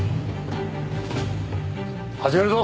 始めるぞ！